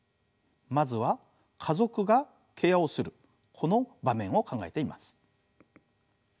まずは家族がケアをするこの場面を考えてみます。